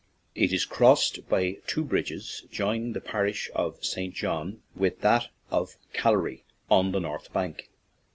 It is crossed by two bridges, joining the parish of St. John with that of Calry on the north bank.